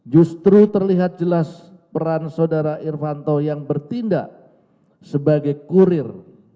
justru terlihat jelas peran saudara irvanto yang bertindak sebagai kurir